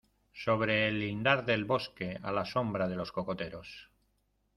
sobre el lindar del bosque, a la sombra de los cocoteros